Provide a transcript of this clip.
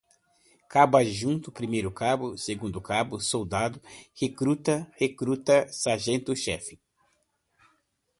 Cabo-Adjunto, Primeiro-Cabo, Segundo-Cabo, Soldado-Recruta, Recruta, Sargento-Chefe